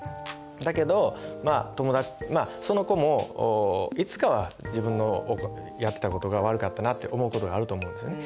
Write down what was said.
だけど友達その子もいつかは自分のやってたことが悪かったなって思うことがあると思うんですよね。